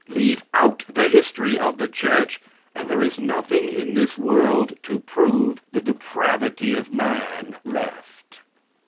Leave out the history of the church, and there is nothing in this world to prove the depravity of man left.